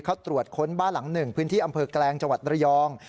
เขาตรวจค้นบ้านหลังหนึ่งพื้นที่อำเภอแกลงจังหวัดระยอง